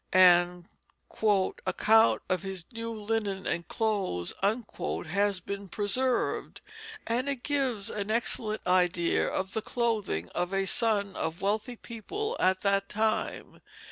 An "account of his new linen and clothes" has been preserved, and it gives an excellent idea of the clothing of a son of wealthy people at that time.